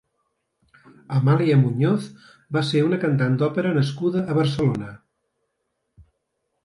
Amalia Muñoz va ser una cantant d'òpera nascuda a Barcelona.